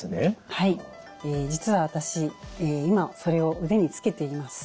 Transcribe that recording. はい実は私今それを腕につけています。